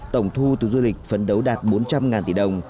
tổng thu từ du lịch phấn đấu đạt bốn trăm linh tỷ đồng